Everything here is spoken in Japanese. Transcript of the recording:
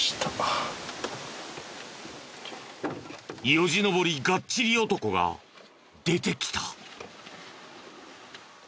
よじ登りガッチリ男が出てきた。